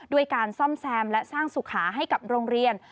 ด้วยการซ่อมแซมและสร้างสุขาให้กับโรงเรียน